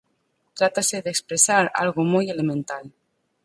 Trátase de expresar algo moi elemental.